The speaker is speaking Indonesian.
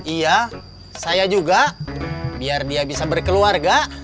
iya saya juga biar dia bisa berkeluarga